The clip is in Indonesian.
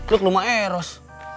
lu ke rumah eros